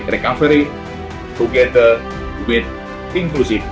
bersama dengan ekonomi dan keuangan yang inklusif